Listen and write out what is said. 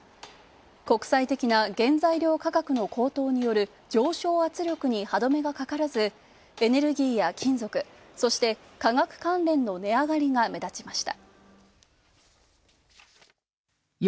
国際的な原材料価格の高騰による上昇圧力に歯止めがかからずエネルギーや金属、そして、化学関連の値上がりが目立ちました。